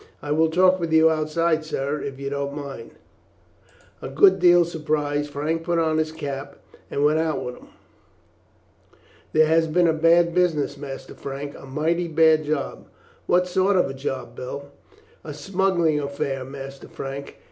"I will talk with you outside, sir, if you don't mind." A good deal surprised Frank put on his cap and went out with him. "There has been a bad business, Master Frank, a mighty bad job." "What sort of a job, Bill?" "A smuggling affair, Master Frank.